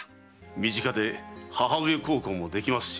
身近で母上孝行もできますしね。